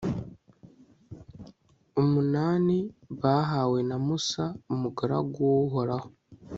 umunani bahawe na musa, umugaragu w'uhoraho